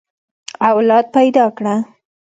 اولاد پيدا کړه.